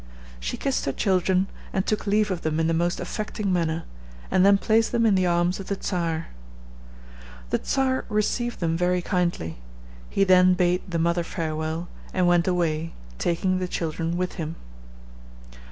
She kissed her children, and took leave of them in the most affecting manner, and then placed them in the arms of the Czar. The Czar received them very kindly. He then bade the mother farewell, and went away, taking the children with him.